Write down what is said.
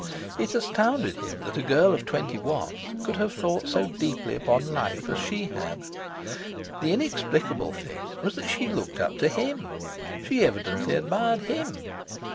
It astounded him that a girl of twenty one could have thought so deeply upon life as she had. The inexplicable thing was that she looked up to HIM. She evidently admired HIM.